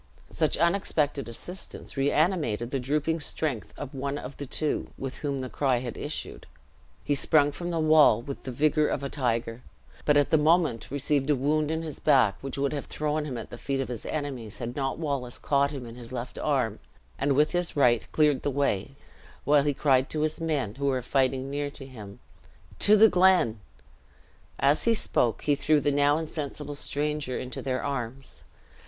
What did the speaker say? Such unexpected assistance reanimated the drooping strength of one of the two, with whom the cry had issued. He sprung from the wall with the vigor of a tiger, but at the moment received a wound in his back, which would have thrown him at the feet of his enemies, had not Wallace caught him in his left arm, and with his right, cleared the way, while he cried to his men who were fighting near him "To the Glen!" As he spoke, he threw the now insensible stranger into their arms.